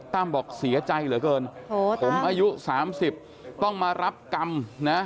บอกเสียใจเหลือเกินผมอายุ๓๐ต้องมารับกรรมนะ